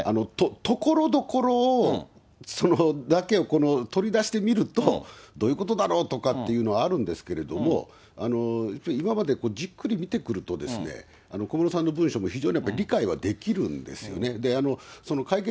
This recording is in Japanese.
ところどころを、だけを取り出してみると、どういうことだろうっていうのはあるんですけれども、じっくり見てくると、小室さんの文書も非常にやっぱり理解はできるんですよね。